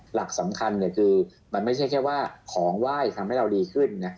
หลักสำคัญคือมันไม่ใช่แค่ว่าของไหว้ทำให้เราดีขึ้นนะ